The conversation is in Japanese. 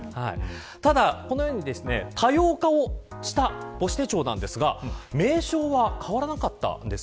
ただ、このように多様化をした母子手帳なんですが名称は変わらなかったんです。